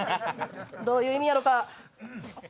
どういう意味やろか？